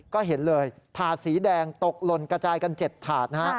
ก็เห็นเลยถาดสีแดงตกหล่นกระจายกัน๗ถาดนะฮะ